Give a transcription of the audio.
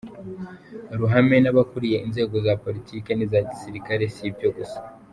ruhame n’abakuriye inzego za politiki n’iza gisilikari; si ibyo gusa